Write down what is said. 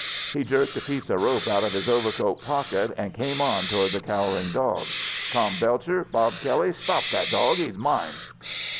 He jerked a piece of rope out of his overcoat pocket and came on toward the cowering dog. "Tom Belcher, Bob Kelley! Stop that dog! He's mine!"